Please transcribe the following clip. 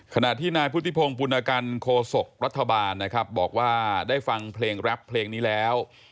ขณะที่นายพุทธิพงศ์ปุณกันโคศกรัฐบาลนะครับบอกว่าได้ฟังเพลงแรปเพลงนี้แล้ว